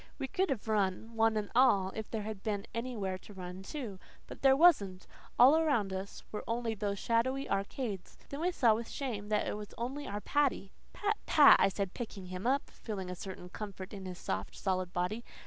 We would have run, one and all, if there had been anywhere to run to. But there wasn't all around us were only those shadowy arcades. Then we saw with shame that it was only our Paddy. "Pat, Pat," I said, picking him up, feeling a certain comfort in his soft, solid body.